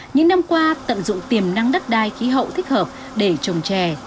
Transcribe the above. những năm qua tận dụng tiềm năng đắc đai khí hậu thích hợp để trồng chè